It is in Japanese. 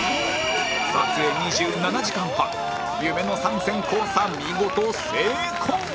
撮影２７時間半夢の３線交差見事成功！